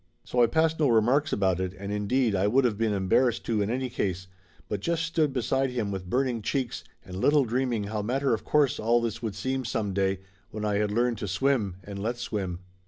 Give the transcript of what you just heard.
So I passed no remarks about it, and indeed I would of been embarrassed to in any case, but just stood beside him with burning cheeks and little dreaming how matter of course all this would seem some day when I had learned to swim and let swim.